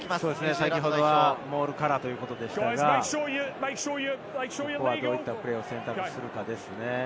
先ほどはモールからでしたが、ここはどういったプレーを選択するかですね。